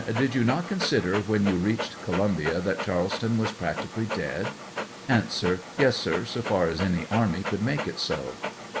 Did you not consider when you reached Columbia that Charleston was practically dead ? A. Yes, sir; so far as any army could make it so.